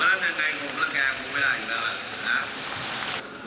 เพราะฉะนั้นในแก่ผมและแก่ครูไม่ได้อีกแล้วนะนะครับ